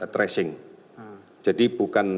tracing jadi bukan